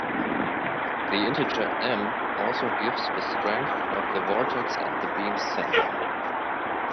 The integer "m" also gives the strength of the vortex at the beam's centre.